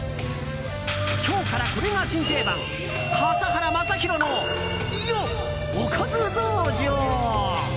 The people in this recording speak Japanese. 今日からこれが新定番笠原将弘のおかず道場。